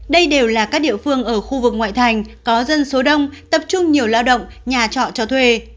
đây đều là các địa phương ở khu vực ngoại thành có dân số đông tập trung nhiều lao động nhà trọ cho thuê